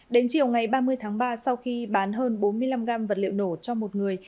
đến chiều ngày ba mươi tháng ba sau khi bán hơn bốn mươi năm gram vật liệu nổ cho một người